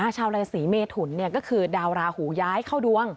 ชาวราศีเมทุนก็คือดาวราหูย้ายเข้าดวง